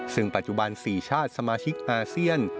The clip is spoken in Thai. ซึ่งปัจจุบัน๔ชาติสมาชิกอาเซียน